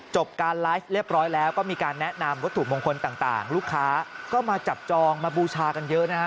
การไลฟ์เรียบร้อยแล้วก็มีการแนะนำวัตถุมงคลต่างลูกค้าก็มาจับจองมาบูชากันเยอะนะฮะ